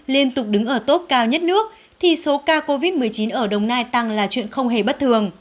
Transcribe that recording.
liên tục đứng ở tốt cao nhất nước thì số ca covid một mươi chín ở đồng nai tăng là chuyện không hề bất thường